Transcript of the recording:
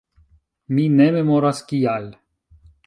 Mi ne memoras, kial.